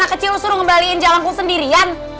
anak kecil lo suruh ngembalikan jalangkung sendirian